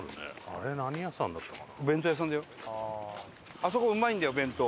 あそこうまいんだよ弁当。